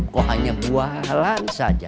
kok hanya bualan saja